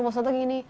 maksudnya tuh gini